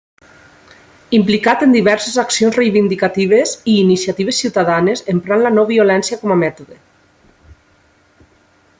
Implicat en diverses accions reivindicatives i iniciatives ciutadanes, emprant la no-violència com a mètode.